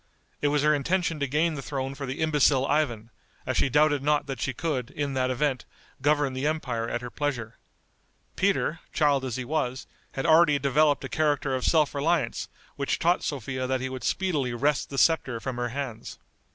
It was her intention to gain the throne for the imbecile Ivan, as she doubted not that she could, in that event, govern the empire at her pleasure. Peter, child as he was, had already developed a character of self reliance which taught Sophia that he would speedily wrest the scepter from her hands.